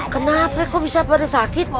kenapa kok bisa pada sakit